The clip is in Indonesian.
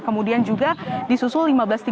kemudian juga di susul lima belas tiga puluh tujuh